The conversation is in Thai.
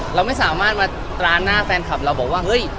เราไม่สามารถมาตรานหน้าแฟนคลับเรา